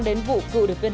trên bán đảo triều tiên